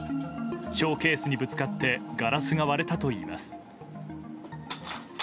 ショーケースにぶつかってガラスが割れたといいます。